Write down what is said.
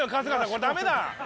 これダメだ！